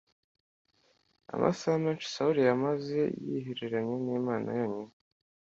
Amasaha menshi Sawuli yamaze yihereranye n’Imana yonyine,